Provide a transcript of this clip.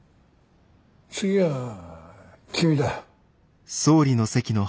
次は君だ。